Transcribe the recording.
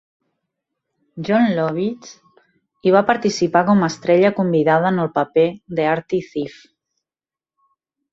Jon Lovitz hi va participar com a estrella convidada en el paper de Artie Ziff.